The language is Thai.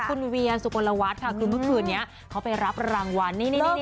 คุณเวียนสุคลลวาสค่ะเมื่อผืนนี้เขาไปรับรางวัล